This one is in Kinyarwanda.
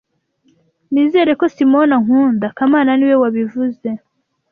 Nizera ko Simoni ankunda kamana niwe wabivuze